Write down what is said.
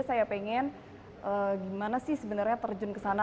saya pengen gimana sih sebenarnya terjun ke sana